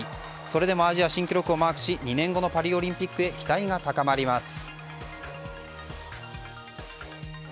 それでもアジア新記録をマークし２年後のパリオリンピックへ期待が高まります。